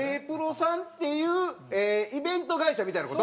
Ｋ−ＰＲＯさんっていうイベント会社みたいな事？